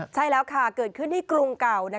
ใช่แล้วค่ะเกิดขึ้นที่กรุงเก่า